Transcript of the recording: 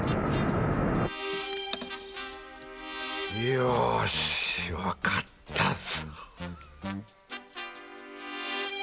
よしわかったぞ！